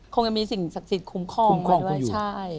คงจะมีสิ่งศักดิ์สิทธิคุ้มครองไว้ด้วยใช่